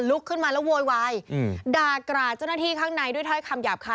ขึ้นมาแล้วโวยวายด่ากราดเจ้าหน้าที่ข้างในด้วยถ้อยคำหยาบคาย